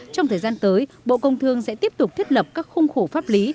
trong thời gian tới bộ công thương sẽ tiếp tục thiết lập các khung khổ pháp lý